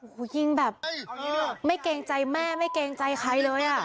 โอ้โหยิงแบบไม่เกรงใจแม่ไม่เกรงใจใครเลยอ่ะ